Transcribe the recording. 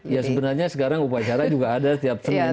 ya sebenarnya sekarang upacara juga ada setiap senin